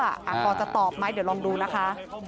อาปอจะตอบไหมเดี๋ยวลองดูนะคะ